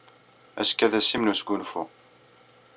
Azekka d ass-nnem n wesgunfu.